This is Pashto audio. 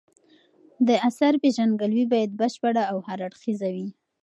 د اثر پېژندګلوي باید بشپړه او هر اړخیزه وي.